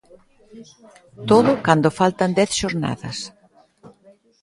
Todo cando faltan dez xornadas.